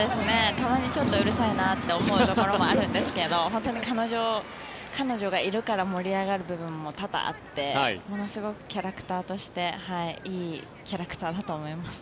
たまにちょっとうるさいなって思うところもあるんですけど本当に彼女がいるから盛り上がる部分も多々あってものすごくキャラクターとしていいキャラクターだと思います。